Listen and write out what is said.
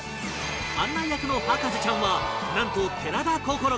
案内役の博士ちゃんはなんと寺田心君